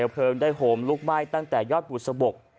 เพลิงได้โหมลุกไหม้ตั้งแต่ยอดบุษบก